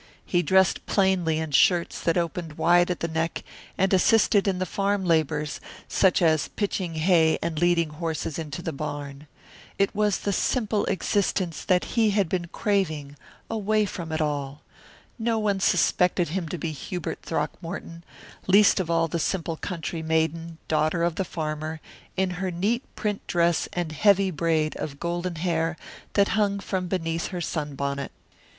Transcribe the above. He dressed plainly in shirts that opened wide at the neck and assisted in the farm labours, such as pitching hay and leading horses into the barn. It was the simple existence that he had been craving away from it all! No one suspected him to be Hubert Throckmorton, least of all the simple country maiden, daughter of the farmer, in her neat print dress and heavy braid of golden hair that hung from beneath her sunbonnet.